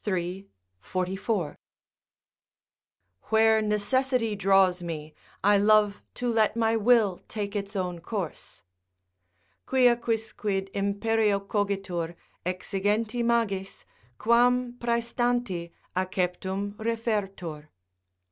3, 44.] where necessity draws me, I love to let my will take its own course: "Quia quicquid imperio cogitur, exigenti magis, quam praestanti, acceptum refertur."